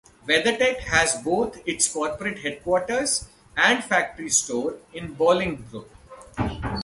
WeatherTech has both its Corporate Headquarters and Factory Store in Bolingbrook.